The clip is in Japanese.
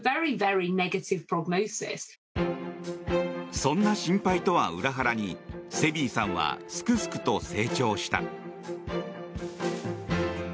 そんな心配とは裏腹にセビーさんはすくすくと成長した。